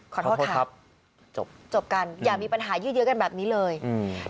ขอโทษค่ะครับจบจบกันอย่ามีปัญหายืดเยอะกันแบบนี้เลยอืม